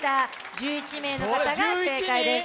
１１名の方が正解です。